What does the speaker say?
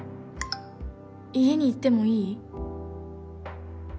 「家に行ってもいい？」